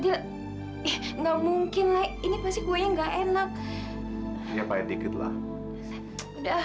enggak mungkin ini pasti gue nggak enak ya pak dikitlah udah